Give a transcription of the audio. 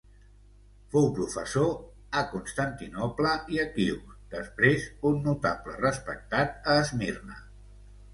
Fou professor a Constantinoble i a Quios, després un notable respectat a Esmirna.